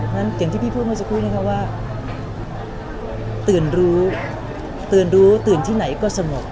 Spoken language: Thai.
อย่างที่พี่พูดเขาจะพูดนะครับว่าตื่นรู้ตื่นรู้ตื่นที่ไหนก็สมบ